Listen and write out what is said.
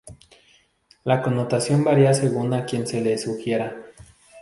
La connotación varía según a quien se le sugiera.